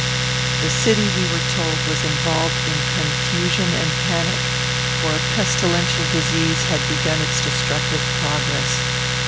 The city, we were told, was involved in confusion and panic, for a pestilential disease had begun its destructive progress.